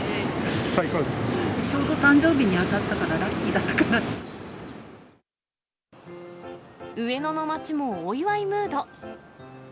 ちょうど誕生日に当たったか上野の街もお祝いムード。